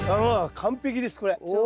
完璧ですこれ。